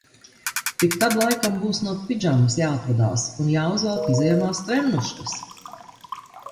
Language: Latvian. Tik tad laikam būs no pidžamas jāatvadās un jāuzvelk izejamās trennuškas.